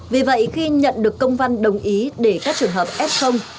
vì vậy khi nhận được công văn đồng ý để các trường hợp f